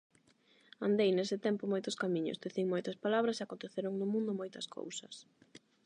Andei nese tempo moitos camiños, tecín moitas palabras e aconteceron no mundo moitas cousas.